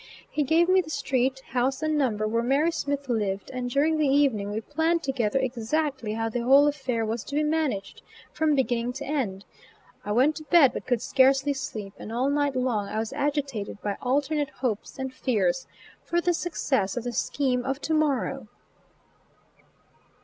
He gave me the street, house and number where Mary Smith lived and during the evening we planned together exactly how the whole affair was to be managed, from beginning to end. I went to bed, but could scarcely sleep; and all night long I was agitated by alternate hopes and fears for the success of the scheme of to morrow.